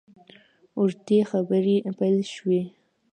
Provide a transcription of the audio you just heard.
اوږدې خبرې پیل شوې.